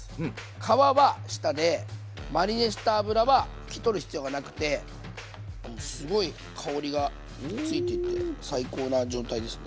皮は下でマリネした油は拭き取る必要がなくてすごい香りがついていて最高な状態ですね。